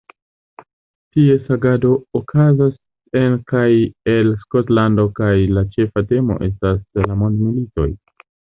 Ties agado okazas en kaj el Skotlando kaj la ĉefa temo estas la mondmilitoj.